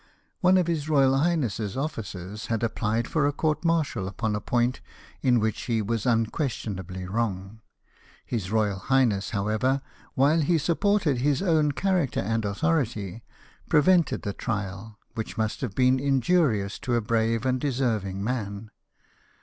One of his royal highness's oflicers had apphed for a court martial upon a point in which he was unquestionably wrong. His royal highness, how ever, while he supported his own character and au thority, prevented the trial, which must have been injurious to a brave and deserving man.